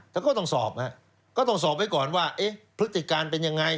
แต่ก็ต้องสอบฮะก็ต้องสอบไว้ก่อนว่าเอ๊ะพฤติการเป็นยังไง